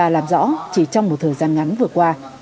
làm rõ chỉ trong một thời gian ngắn vừa qua